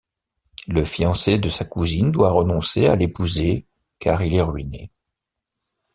Le fiancé de sa cousine doit renoncer à l'épouser car il est ruiné.